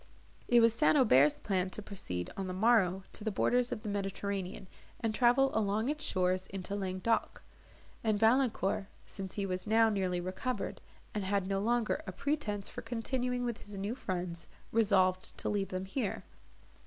It was St. Aubert's plan to proceed, on the morrow, to the borders of the Mediterranean, and travel along its shores into Languedoc; and Valancourt, since he was now nearly recovered, and had no longer a pretence for continuing with his new friends, resolved to leave them here.